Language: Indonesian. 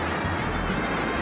jangan makan aku